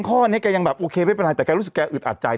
ข้อนี้แกยังแบบโอเคไม่เป็นไรแต่แกรู้สึกแกอึดอัดใจ